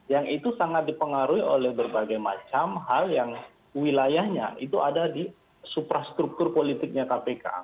yang itu sangat dipengaruhi oleh berbagai macam hal yang wilayahnya itu ada di suprastruktur politiknya kpk